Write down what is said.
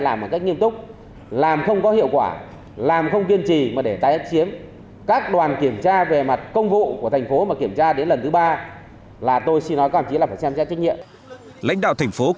làm không nghiêm túc làm không hiệu quả làm không kiên trì để tái diễn tình trạng như hiện nay thì sẽ xem xét trách nhiệm thậm chí là cái chức